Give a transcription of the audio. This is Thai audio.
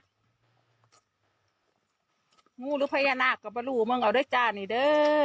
งูรู้พยานาคก็บรรลุมึงเอาด้วยจ้านี่เด้อ